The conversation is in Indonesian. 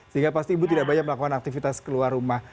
sehingga pasti ibu tidak banyak melakukan aktivitas keluar rumah